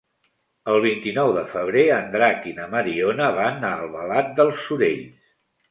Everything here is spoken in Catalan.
El vint-i-nou de febrer en Drac i na Mariona van a Albalat dels Sorells.